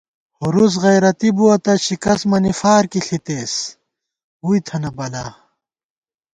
ہُرُوس غیرَتی بُوَہ تہ شِکَست مَنی فارکی ݪِتېس ووئی تھنہ بلا